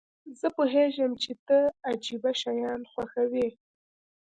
زه پوهیږم چې ته عجیبه شیان خوښوې.